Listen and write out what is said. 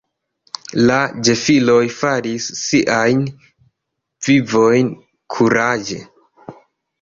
La gefiloj faris siajn vivojn kuraĝe.